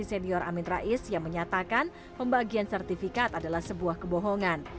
senior amin rais yang menyatakan pembagian sertifikat adalah sebuah kebohongan